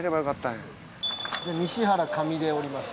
で西原上で降ります。